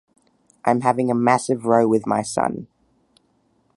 I'm having a massive row with my son.